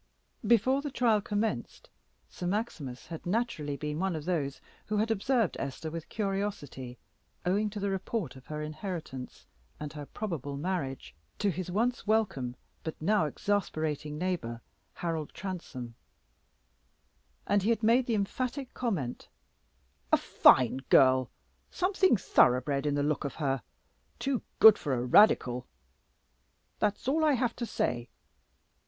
Before the trial commenced, Sir Maximus had naturally been one of those who had observed Esther with curiosity, owing to the report of her inheritance, and her probable marriage to his once welcome but now exasperating neighbor, Harold Transome; and he had made the emphatic comment "A fine girl! something thoroughbred in the look of her. Too good for a Radical; that's all I have to say."